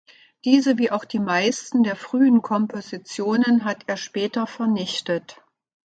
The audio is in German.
Diese wie auch die meisten der frühen Kompositionen hat er später vernichtet.